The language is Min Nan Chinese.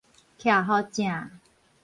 徛予正